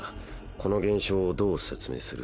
この現象をどう説明する？